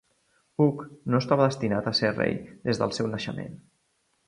Hug no estava destinat a ser rei des del seu naixement.